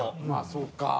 まあそうか。